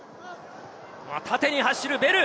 縦に走るベル。